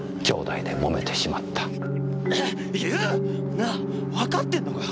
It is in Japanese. なあわかってんのかよ？